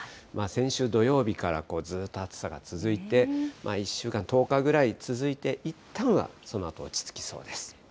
先週土曜日からずっと暑さが続いて、１週間、１０日ぐらい続いて、いったんはそのあと落ち着きそうです。